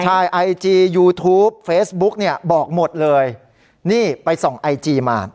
ใช่ไอจียูทูปเฟซบุ๊กเนี่ยบอกหมดเลยนี่ไปส่องไอจีมา